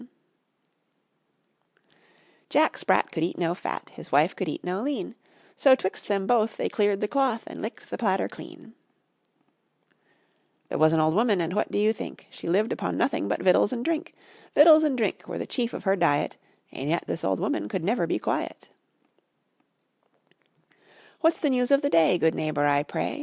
Jack Sprat could eat no fat, His wife could eat no lean; So 'twixt them both they cleared the cloth, And licked the platter clean. There was an old woman, and what do you think? She lived upon nothing but victuals and drink; Victuals and drink were the chief of her diet, And yet this old woman could never be quiet. What's the news of the day, Good neighbor, I pray?